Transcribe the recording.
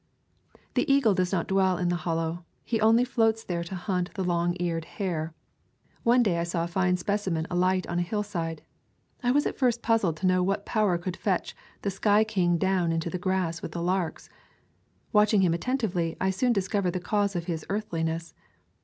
The eagle does not dwell in the Hollow; he only floats there to hunt the long eared hare. One day I saw a fine specimen alight upon a hillside. I was at first puzzled to know what power could fetch the sky king down into the grass with the larks. Watching him attentively, I soon discovered the cause of his earthiness.